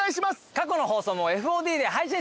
過去の放送もＦＯＤで配信してます。